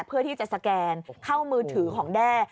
เพื่อที่จะสแกนเข้ามือถือของแด้